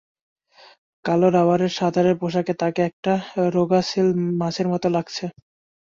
কালো রবারের সাঁতারের পোশাকে তাঁকে একটা রোগা সিল মাছের মতো লাগছে।